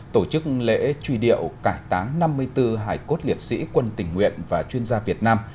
tổ chức lễ truy điệu cải táng năm mươi bốn hải cốt liệt sĩ quân tỉnh nguyện và chuyên gia việt nam